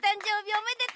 おめでと！